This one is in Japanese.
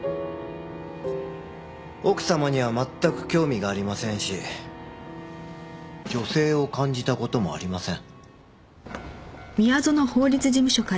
奥様には全く興味がありませんし女性を感じた事もありません。